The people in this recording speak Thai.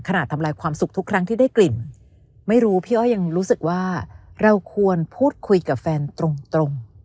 ทำลายความสุขทุกครั้งที่ได้กลิ่นไม่รู้พี่อ้อยยังรู้สึกว่าเราควรพูดคุยกับแฟนตรง